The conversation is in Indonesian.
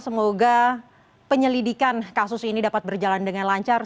semoga penyelidikan kasus ini dapat berjalan dengan lancar